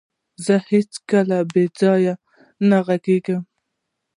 زه هيڅکله بيځايه نه غږيږم.